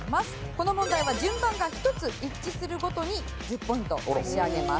この問題は順番が１つ一致するごとに１０ポイント差し上げます。